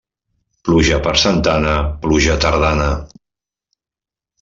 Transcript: Pluja per Santa Anna, pluja tardana.